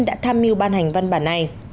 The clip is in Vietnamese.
đã tham mưu ban hành văn bản này